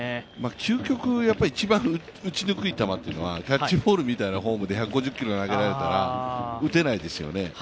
究極一番打ちにくい球というのは、キャッチャーボールみたいな球で１５０キロ投げられたら打てないですよね。